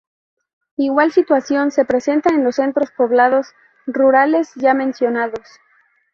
Igual situación se presenta en los centros poblados rurales ya mencionados.